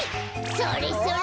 それそれ。